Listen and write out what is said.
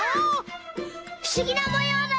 ふしぎなもようだね！